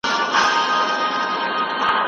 ابن خلدون وایي، علم د پرمختګ لامل دی.